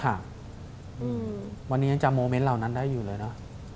วันนี้ยังจำโมเมนต์เหล่านั้นได้อยู่เลยนะ